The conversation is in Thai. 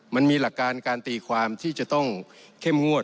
มันมีหลักการการตีความที่จะต้องเข้มงวด